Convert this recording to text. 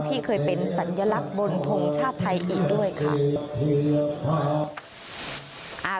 ที่เคยเป็นสัญลักษณ์บนทงชาติไทยอีกด้วยค่ะ